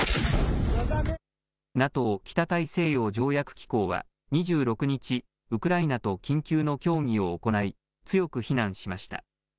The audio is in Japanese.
ＮＡＴＯ・北大西洋条約機構は２６日、ウクライナと緊急の協議を行い強く非難しました。